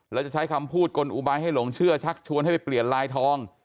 แล้วจะใช้คำพูดกลอุบายให้หลงเชื่อชักชวนให้ไปเปลี่ยนลายทอง